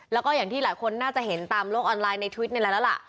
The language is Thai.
แล้วก็อย่างที่หลายคนน่าจะเห็นตามโลกออนไลน์ในทวิตนี่แหละแล้วล่ะ